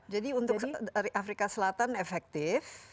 jadi untuk afrika selatan efektif